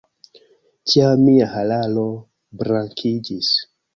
Tiam mia hararo blankiĝis.